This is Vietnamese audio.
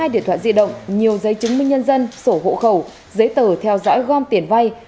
một mươi điện thoại di động nhiều giấy chứng minh nhân dân sổ hộ khẩu giấy tờ theo dõi gom tiền vay